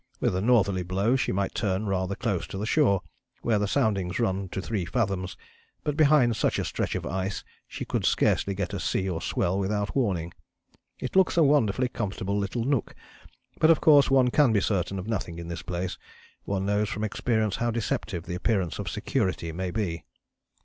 With a northerly blow she might turn rather close to the shore, where the soundings run to three fathoms, but behind such a stretch of ice she could scarcely get a sea or swell without warning. It looks a wonderfully comfortable little nook, but of course one can be certain of nothing in this place; one knows from experience how deceptive the appearance of security may be."